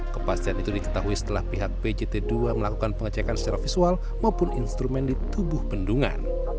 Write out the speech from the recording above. kepastian itu diketahui setelah pihak pjt dua melakukan pengecekan secara visual maupun instrumen di tubuh bendungan